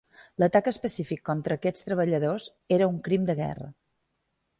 L'atac específic contra aquests treballadors era un crim de guerra.